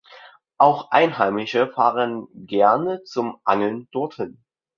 Auch Einheimische fahren gerne zum Angeln dorthin.